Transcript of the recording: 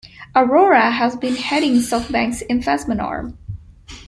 Arora has been heading SoftBank's investment arm.